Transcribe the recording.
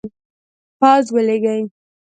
پوځ ولیږي.